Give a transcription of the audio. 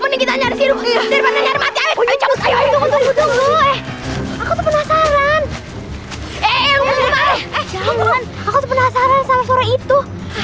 eh jangan aku penasaran sama suara itu